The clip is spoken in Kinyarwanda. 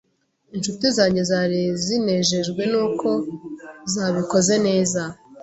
Incuti zanjye zari zinejejwe n’uko zabikoze neza,